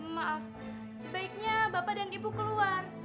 maaf sebaiknya bapak dan ibu keluar